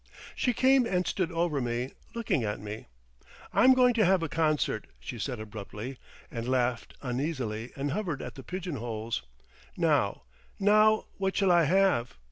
She came and stood over me, looking at me. "I'm going to have a concert," she said abruptly, and laughed uneasily and hovered at the pigeon holes. "Now—now what shall I have?"